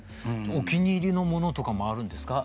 お気に入りのものとかもあるんですか？